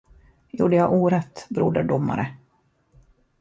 Gjorde jag orätt, broder domare?